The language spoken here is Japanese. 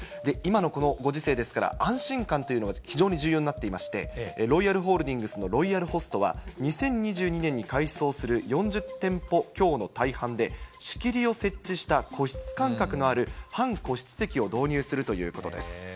今のこのご時世ですから、安心感というのが非常に重要になっていまして、ロイヤルホールディングスのロイヤルホストは、２０２２年に改装する４０店舗強の大半で、仕切りを設置した個室感覚のある、半個室席を導入するということです。